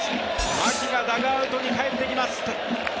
牧がダグアウトに帰ってきます。